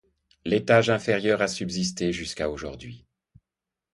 L'étage inférieur a subsisté jusqu'à aujourd’hui.